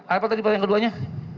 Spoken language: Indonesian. apa tadi pak yang keduanya